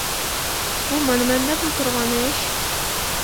بۇ مانا مەن دەپلا تۇرغان ئىش.